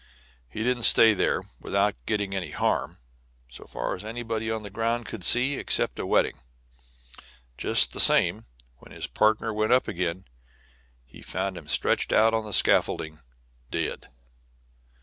And he did stay there, without getting any harm, so far as anybody on the ground could see, except a wetting. Just the same, when his partner went up again, he found him stretched out on the scaffolding, dead."